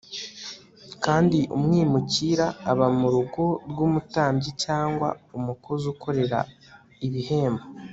kandi umwimukira uba mu rugo rw umutambyi cyangwa umukozi ukorera ibihembo